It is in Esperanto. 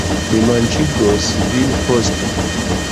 Mi manĝigos vin poste